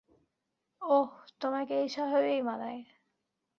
ওহ, তোমাকে এই স্বভাবেই মানায়।